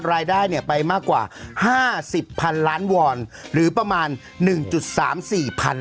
รายได้เนี่ยไปมากกว่าห้าสิบพันล้านวอนหรือประมาณหนึ่งจุดสามสี่พัน